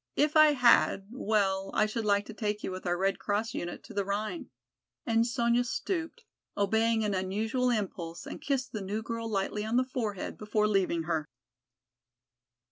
If I had, well I should like to take you with our Red Cross unit to the Rhine," and Sonya stooped, obeying an unusual impulse and kissed the new girl lightly on the forehead before leaving her.